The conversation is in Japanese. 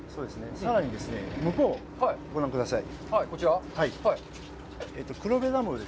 さらにですね、向こうをご覧ください。